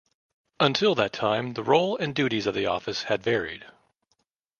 Until that time, the role and duties of the office had varied.